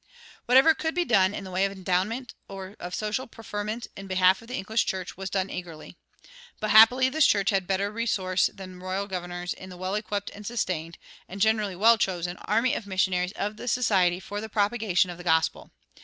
Whatever could be done in the way of endowment or of social preferment in behalf of the English church was done eagerly. But happily this church had a better resource than royal governors in the well equipped and sustained, and generally well chosen, army of missionaries of the Society for the Propagation of the Gospel.